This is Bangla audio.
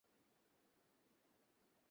তার জন্য স্বাভাবিক।